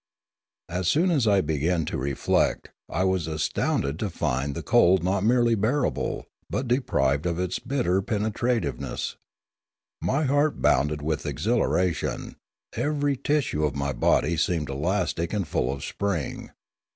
As soon as I began to reflect, I was astounded to find the cold not merely bearable, but deprived of its bitter penetrativeness. My heart bounded with ex hilaration; every tissue of my body seemed elastic and full of spring.